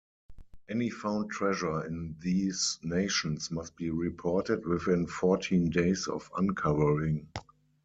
Any found treasure in these nations must be reported within fourteen days of uncovering.